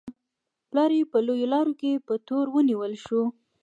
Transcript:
پلار یې په لویو لارو کې په تور ونیول شو.